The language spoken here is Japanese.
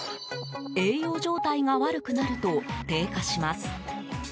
栄養状態が悪くなると低下します。